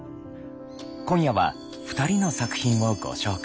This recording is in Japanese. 今夜は２人の作品をご紹介。